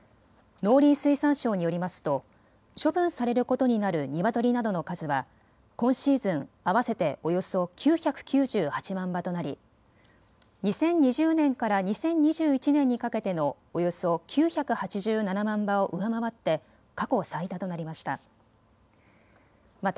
農林水産省によりますと処分されることになるニワトリなどの数は今シーズン合わせておよそ９９８万羽となり、２０２０年から２０２１年にかけてのおよそ９８７万羽を上回って過去最多となりました。